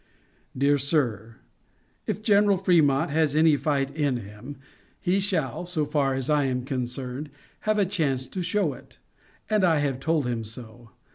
DEAR SIR: If General Frémont has any fight in him, he shall (so far as I am concerned) have a chance to show it, and I have told him so.